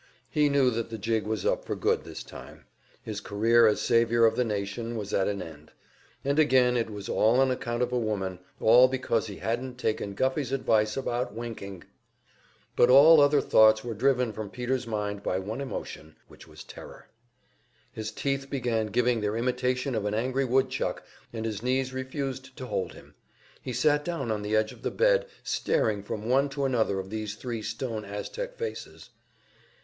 He knew that the jig was up for good this time; his career as savior of the nation was at an end. And again it was all on account of a woman all because he hadn't taken Guffey's advice about winking! But all other thoughts were driven from Peter's mind by one emotion, which was terror. His teeth began giving their imitation of an angry woodchuck, and his knees refused to hold him; he sat down on the edge of the bed, staring from one to another of these three stone Aztec faces.